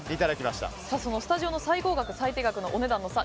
スタジオの最高額、最低額のお値段の差